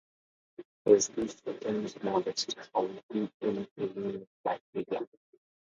It is the second-smallest county in Illinois by area.